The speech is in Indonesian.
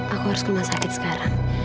aku harus ke rumah sakit sekarang